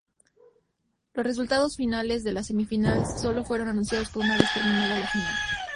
Los resultados finales de la semifinal sólo fueron anunciados una vez terminada la final.